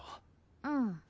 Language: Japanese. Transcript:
うん。